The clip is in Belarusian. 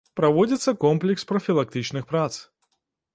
Праводзіцца комплекс прафілактычных прац.